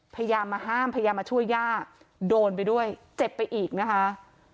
พยายามมาห้ามพยายามมาช่วยย่าโดนไปด้วยเจ็บไปอีกนะคะ